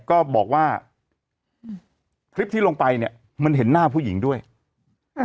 ก็บอกว่าอืมคลิปที่ลงไปเนี้ยมันเห็นหน้าผู้หญิงด้วยอ่า